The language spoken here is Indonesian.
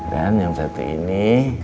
dan yang satu ini